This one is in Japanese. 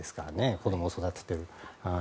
子供を育てている。